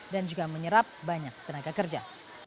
dan juga menyerap banyak tenaga kerja